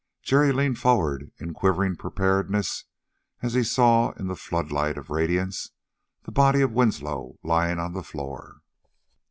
Jerry leaned forward in quivering preparedness as he saw, in the floodlight of radiance, the body of Winslow lying on the floor.